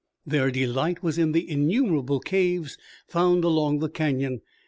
Their delight was in the innumerable caves found along the Canyon.